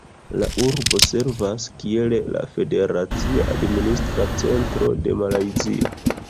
La urbo servas kiel la federacia administra centro de Malajzio.